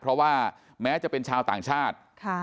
เพราะว่าแม้จะเป็นชาวต่างชาติ